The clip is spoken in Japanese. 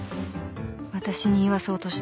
私に言わそうとしている。